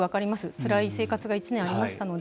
つらい生活が１年ありましたので。